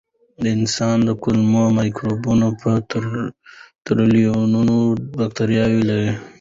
د انسان د کولمو مایکروبیوم په ټریلیونونو بکتریاوې لري.